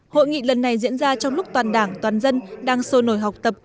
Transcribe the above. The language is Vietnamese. hội nghị lần này diễn ra trong lúc toàn đảng toàn dân đang sôi nổi học tập